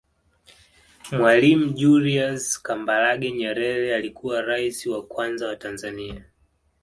Mwalimu Julius Kambarage Nyerere alikuwa raisi wa kwanza wa Tanzania